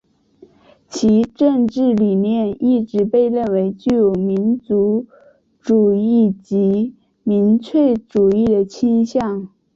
其政治理念一直被认为具有民族主义及民粹主义的倾向。